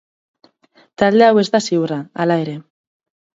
Talde hau ez da ziurra, hala ere.